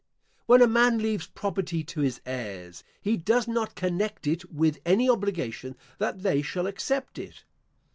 When a man leaves property to his heirs, he does not connect it with an obligation that they shall accept it.